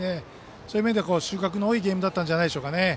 そういう意味では収穫の多いゲームだったんじゃないでしょうか。